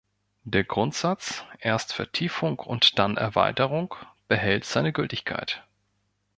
Der Grundsatz "erst Vertiefung und dann Erweiterung" behält seine Gültigkeit.